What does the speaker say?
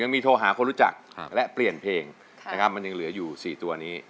ยังมีโทรหาคนรู้จักและเปลี่ยนเพลงมันยังเหลืออยู่สี่ตัวนี้